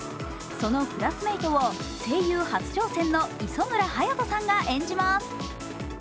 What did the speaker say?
そのクラスメートを声優初挑戦の磯村勇斗さんが演じます。